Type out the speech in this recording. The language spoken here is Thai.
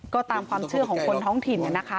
ก็ตามความเชื่อของคนท้องถิ่นนะคะ